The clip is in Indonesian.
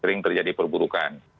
sering terjadi perburukan